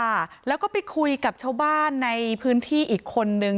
ค่ะแล้วก็ไปคุยกับชาวบ้านในพื้นที่อีกคนนึง